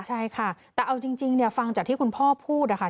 ใช่ค่ะแต่เอาจริงฟังจากที่คุณพ่อพูดนะคะ